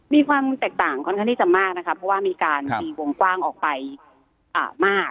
มีความแตกต่างค่อนข้างที่จะมากนะคะเพราะว่ามีการตีวงกว้างออกไปมาก